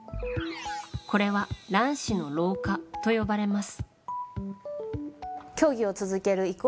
これは、卵子の老化と呼ばれます。